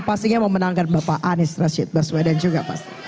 pastinya mau menangkan bapak anies rashid baswedan juga